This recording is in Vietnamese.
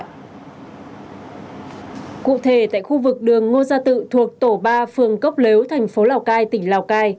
cụ thể tại khu vực đường ngô gia tự thuộc tổ ba phường cốc lếu thành phố lào cai tỉnh lào cai